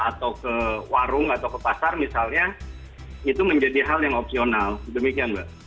atau ke warung atau ke pasar misalnya itu menjadi hal yang opsional demikian mbak